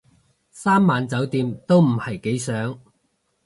三晚酒店都唔係幾想